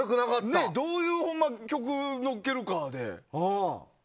どういう曲を乗っけるかで。